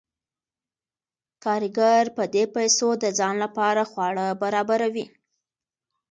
کارګر په دې پیسو د ځان لپاره خواړه برابروي